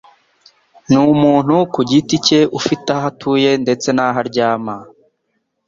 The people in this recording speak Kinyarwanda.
Ni umuntu ku giti cye ufite aho atuye ndetse n'aho aryama